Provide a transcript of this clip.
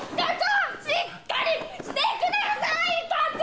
しっかりしてください課長！